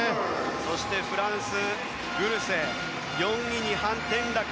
そしてフランス、グルセ４位にハン・テンラク。